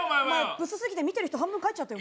ブスすぎてみてる人半分帰っちゃったよ。